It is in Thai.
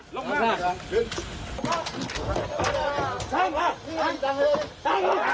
ตั้งปลาตั้งปลา